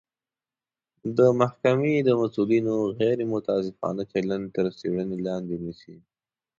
د محکمې د مسوولینو غیر منصفانه چلند تر څیړنې لاندې نیسي